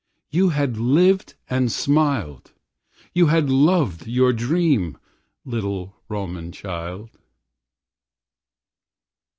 You had lived and smiled! You had loved your dream, little Roman child!